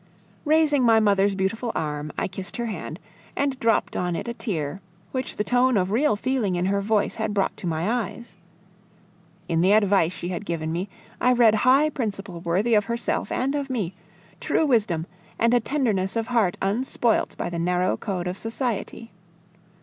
Raising my mother's beautiful arm, I kissed her hand and dropped on it a tear, which the tone of real feeling in her voice had brought to my eyes. In the advice she had given me, I read high principle worthy of herself and of me, true wisdom, and a tenderness of heart unspoilt by the narrow code of society.